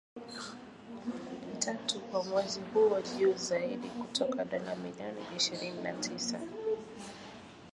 tatu kwa mwezi huo, juu zaidi kutoka dola milioni ishirni na tisa